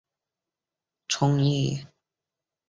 葱叶兰为兰科葱叶兰属下的一个种。